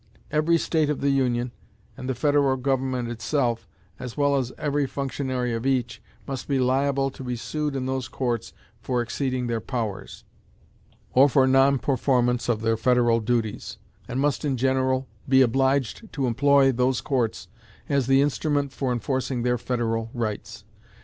Every state of the Union, and the federal government itself, as well as every functionary of each, must be liable to be sued in those courts for exceeding their powers, or for non performance of their federal duties, and must in general be obliged to employ those courts as the instrument for enforcing their federal rights.